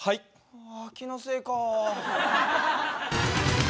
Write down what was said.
あ気のせいか。